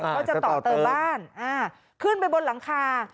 เขาจะต่อเติมบ้านขึ้นไปบนหลังคา